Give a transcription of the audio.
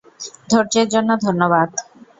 ধৈর্য্যের জন্য ধন্যবাদ।